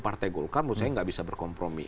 partai golkar menurut saya nggak bisa berkompromi